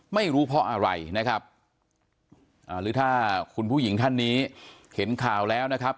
ไม่รู้เพราะอะไรนะครับอ่าหรือถ้าคุณผู้หญิงท่านนี้เห็นข่าวแล้วนะครับ